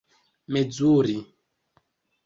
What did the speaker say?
mezuri